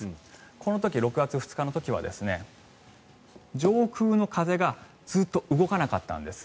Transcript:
この時、６月２日の時は上空の風がずっと動かなかったんです。